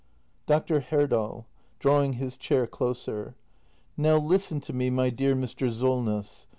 Dr. Herdal. [Drawing his chair closer.] Now listen to me, my dear Mr. Solness.